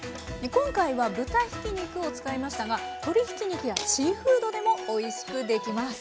今回は豚ひき肉を使いましたが鶏ひき肉やシーフードでもおいしくできます。